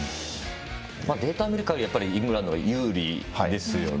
データを見るかぎりイングランドが有利ですよね。